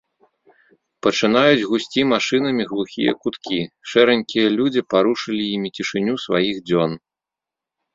Пачынаюць гусці машынамі глухія куткі, шэранькія людзі парушылі імі цішыню сваіх дзён.